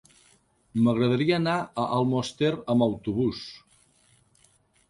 M'agradaria anar a Almoster amb autobús.